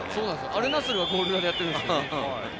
アルナスルはゴール裏でやってますよね。